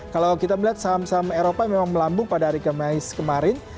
kalau kita melihat saham saham eropa memang melambung pada hari kemais kemarin